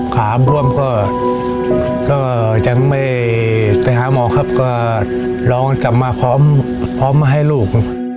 ขาบวมก็ยังไม่ไปหาหมอครับก็น้องกลับมาพร้อมพร้อมมาให้ลูก